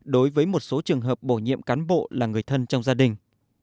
đối với một số trường hợp bổ nhiệm cán bộ là người thân trong gia đình